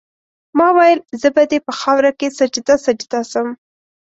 ما ویل زه به دي په خاوره کي سجده سجده سم